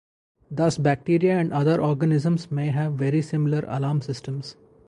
Thus bacteria and other organisms may have very similar alarm systems.